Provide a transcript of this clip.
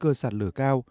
cơ sản lửa cao